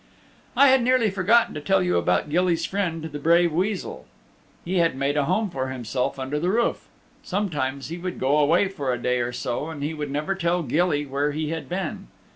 I had nearly forgotten to tell you about Gilly's friend, the brave Weasel. He had made a home for himself under the roof. Sometimes he would go away for a day or so and he would never tell Gilly where he had been.